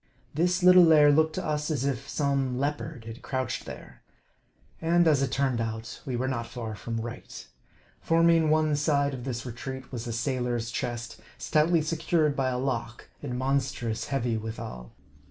This little lair looked to us as if some leopard had crouched there. And as it turned out, we M A R D I. 77 were not far from right. Forming one side of this retreat, was a sailor's chest, stoutly secured by a lock, and monstrous heavy withal.